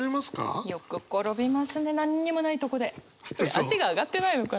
足が上がってないのかな？